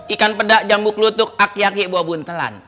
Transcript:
ikan peda jambu klutuk akyaki bobot telan